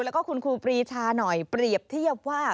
แล้วก็คุณครูปรีชาหน่อยเปรียบเทียบว่า